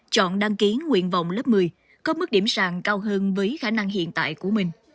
chọn đăng ký nguyện vọng lớp một mươi có mức điểm sàng cao hơn với khả năng hiện tại của mình